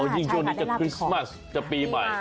ยิ่งช่วงนี้จะคริสต์มัสจะปีใหม่